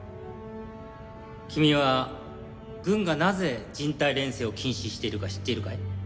君は軍がなぜ人体錬成を禁止しているか知っているかい？